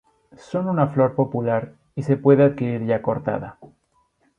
Son una flor popular y se puede adquirir ya cortada.